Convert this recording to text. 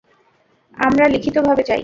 আমরা লিখিত ভাবে চাই।